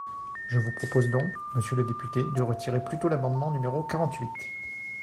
Je vous propose donc, monsieur le député, de retirer plutôt l’amendement numéro quarante-huit.